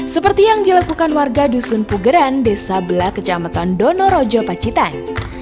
seperti yang dilakukan warga dusun pugeran desa bela kecamatan donorojo pacitan